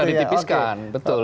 iya bisa ditipiskan betul